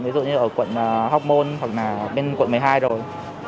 ví dụ như ở quận hoc mon hoặc là bên quận một mươi hai rồi